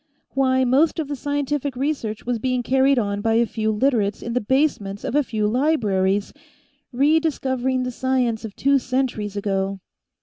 Why, most of the scientific research was being carried on by a few Literates in the basements of a few libraries, re discovering the science of two centuries ago.